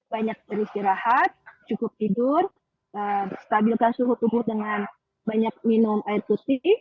banyak beristirahat cukup tidur stabilkan suhu tubuh dengan banyak minum air putih